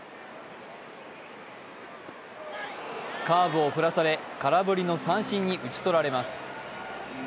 カーブを振らされ、空振りの三振に打ち取られます。